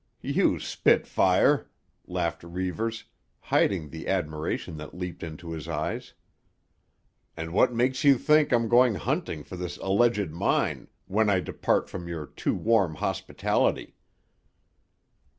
"You spitfire!" laughed Reivers, hiding the admiration that leaped into his eyes. "And what makes you think I'm going hunting for this alleged mine when I depart from your too warm hospitality?"